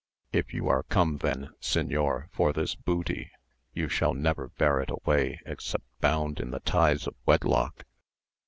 If you are come then, señor, for this booty, you shall never bear it away except bound in the ties of wedlock.